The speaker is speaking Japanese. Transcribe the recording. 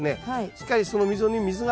しっかりその溝にえ？